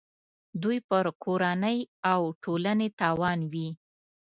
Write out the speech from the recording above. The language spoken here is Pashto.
دوی پر کورنۍ او ټولنې تاوان وي.